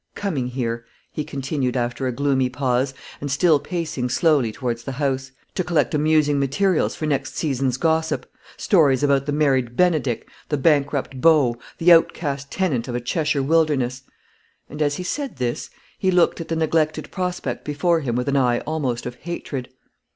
Coming here," he continued, after a gloomy pause, and still pacing slowly towards the house, "to collect amusing materials for next season's gossip stories about the married Benedick the bankrupt beau the outcast tenant of a Cheshire wilderness"; and, as he said this, he looked at the neglected prospect before him with an eye almost of hatred.